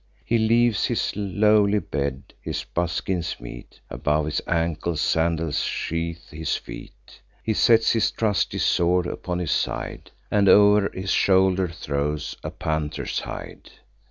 He leaves his lowly bed: his buskins meet Above his ankles; sandals sheathe his feet: He sets his trusty sword upon his side, And o'er his shoulder throws a panther's hide.